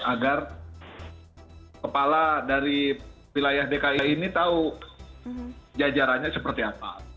agar kepala dari wilayah dki ini tahu jajarannya seperti apa